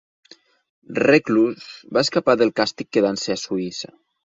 Reclus va escapar del càstig quedant-se a Suïssa.